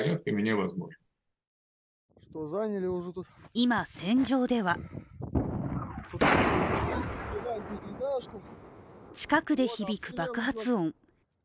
今、戦場では近くで響く爆発音。